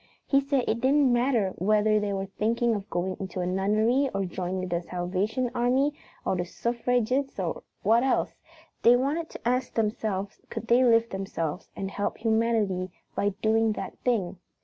He said it didn't matter whether they were thinking of going into a nunnery or joining the Salvation Army or the Suffragets or what else, they wanted to ask themselves could they lift themselves and help humanity by doing that thing.